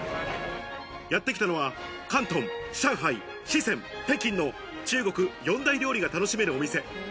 やってきたのは、広東、上海、四川、北京の中国四大料理が楽しめるお店。